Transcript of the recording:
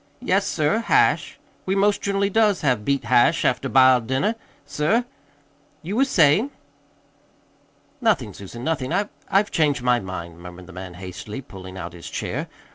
"Yes, sir, hash. We most generally does have beet hash after b'iled dinner, sir. You was sayin'?" "Nothing, Susan, nothing. I I've changed my mind," murmured the man hastily, pulling out his chair.